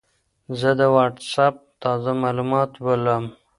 زه د وټساپ تازه معلومات ولولم.